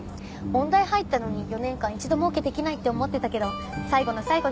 音大入ったのに４年間一度もオケできないって思ってたけど最後の最後でよかったよね。